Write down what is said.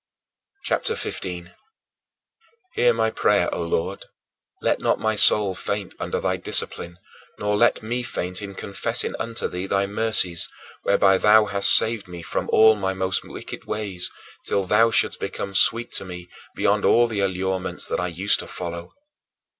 CHAPTER XV 24. Hear my prayer, O Lord; let not my soul faint under thy discipline, nor let me faint in confessing unto thee thy mercies, whereby thou hast saved me from all my most wicked ways till thou shouldst become sweet to me beyond all the allurements that I used to follow.